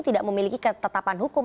tidak memiliki ketetapan hukum